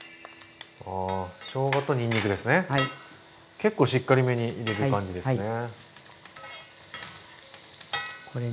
結構しっかりめに入れる感じですね。